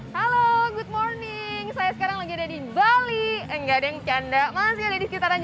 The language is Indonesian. halo good morning saya sekarang lagi ada di bali enggak ada yang canda masih ada di sekitaran